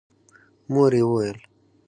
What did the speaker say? مور يې وويل: